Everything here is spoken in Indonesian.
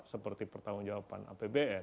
seperti pertanggung jawaban apbn